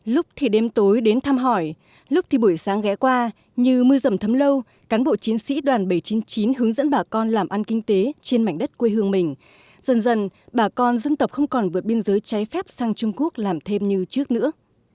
lúc thì đêm tối đến thăm hỏi lúc thì buổi sáng ghé qua như mưa rầm thấm lâu cán bộ chiến sĩ đoàn bảy trăm chín mươi chín hướng dẫn bà con làm ăn kinh tế trên mảnh đất quê hương mình dần dần bà con dân tộc không còn vượt biên giới trái phép sang trung quốc làm thêm như trước nữa